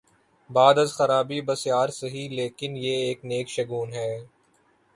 بعد از خرابیء بسیار سہی، لیکن یہ ایک نیک شگون ہے۔